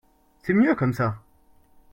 C’est mieux comme ça